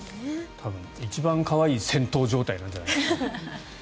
多分、一番可愛い戦闘状態なんじゃないですか。